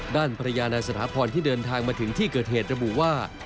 ด้านภรรยานายสถาพรที่เดินทางมาถึงที่เกิดเหตุระบุว่า